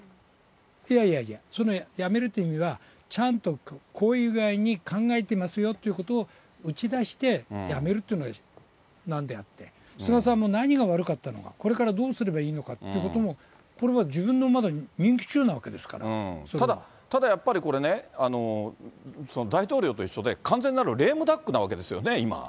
いやいやいや、辞めるという意味は、ちゃんとこういう具合に考えてますよということを打ち出して、辞めるということなのであって、菅さんも何が悪かったのか、これからどうすればいいのかということも、これは自分のまだ、ただやっぱりこれね、大統領と一緒で、完全なるレームダックなわけなんですよね、今。